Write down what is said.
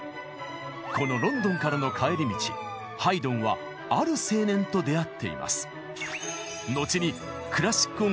このロンドンからの帰り道ハイドンはある青年と出会っています。